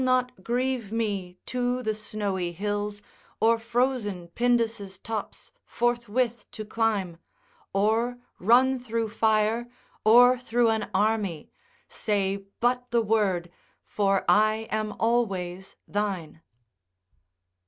It shall not grieve me to the snowy hills, Or frozen Pindus' tops forthwith to climb. Or run through fire, or through an army, Say but the word, for I am always thine.